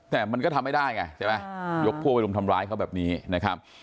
แต่มันก็ทำไม่ได้ไงใช่ไหมยกพวกไปรุมทำร้ายเขาแบบนี้นะครับ